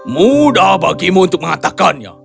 mudah bagimu untuk mengatakannya